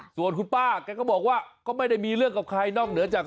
ส่วนคุณป้าแกก็บอกว่าก็ไม่ได้มีเรื่องกับใครนอกเหนือจาก